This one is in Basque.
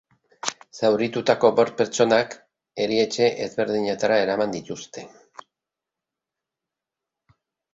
Zauritutako bost pertsonak erietxe ezberdinetara eraman dituzte.